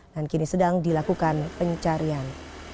dan kini sedang dilakukan pencarian